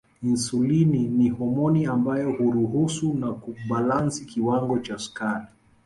Insulini ni homoni ambayo huruhusu na kubalansi kiwango cha sukari